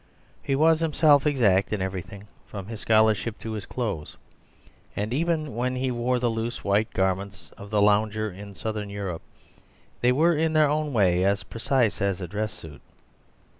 He was himself exact in everything, from his scholarship to his clothes; and even when he wore the loose white garments of the lounger in Southern Europe, they were in their own way as precise as a dress suit.